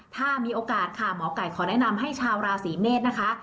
ถ้ามีโอกาสค่ะหมอไก่ขอแนะนำให้ชาวราศีเมษนะคะ